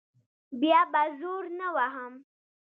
بیا به زور نه وهم.